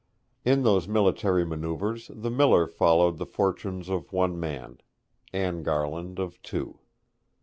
In those military manoeuvres the miller followed the fortunes of one man; Anne Garland of two.